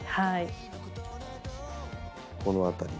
この辺り。